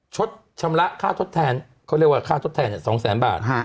ชดชำระค่าทดแทนเขาเรียกว่าค่าทดแทนอย่างสองแสนบาทฮะ